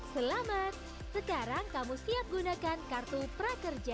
selamat sekarang kamu siap gunakan kartu prakerja